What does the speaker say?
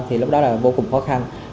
thì lúc đó là vô cùng khó khăn